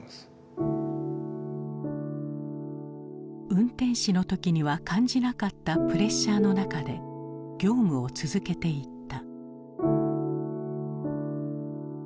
運転士の時には感じなかったプレッシャーの中で業務を続けていった。